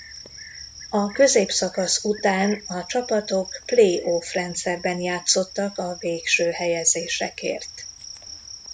A középszakasz után a csapatok play-off rendszerben játszottak a végső helyezésekért.